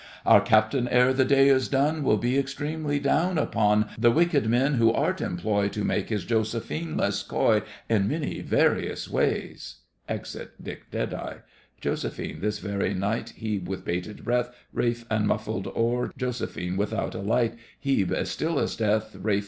Our captain, ere the day is gone, Will be extremely down upon The wicked men who art employ To make his Josephine less coy In many various ways. [Exit DICK. JOS. This very night, HEBE. With bated breath RALPH. And muffled oar— JOS. Without a light, HEBE. As still as death, RALPH.